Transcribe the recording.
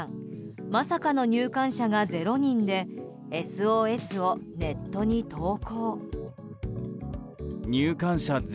まさかの入館者が０人でＳＯＳをネットに投稿。